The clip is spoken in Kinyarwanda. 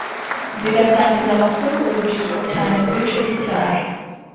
zigasangiza amakuru urubyiruko cyane mu bice by’icyaro